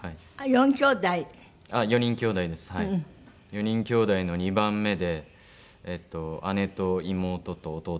４人きょうだいの２番目で姉と妹と弟がいます。